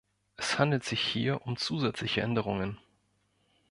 Es handelt sich hier um zusätzliche Änderungen.